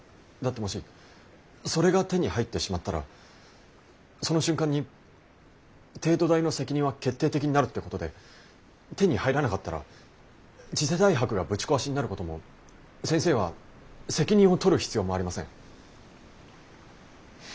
だってもしそれが手に入ってしまったらその瞬間に帝都大の責任は決定的になるってことで手に入らなかったら次世代博がぶち壊しになることも先生は責任を取る必要もありません。